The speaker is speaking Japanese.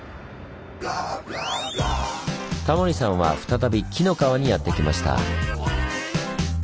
タモリさんは再び紀の川にやって来ました。